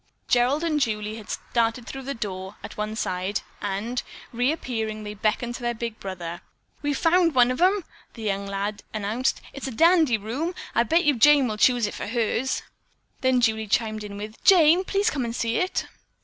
Gerald and Julie had darted through a door at one side and, reappearing, they beckoned to their big brother. "We've found one of 'em," the younger lad announced. "It's in a dandee room! I bet you Jane will choose it for hers." Then Julie chimed in with: "Jane, please come and see it."